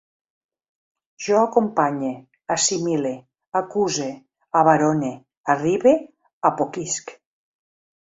Jo acompanye, assimile, acuse, abarone, arribe, apoquisc